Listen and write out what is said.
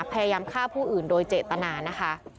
พยายามฆ่าผู้อื่นโดยเจตนานะคะ